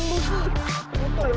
tidak tidak boleh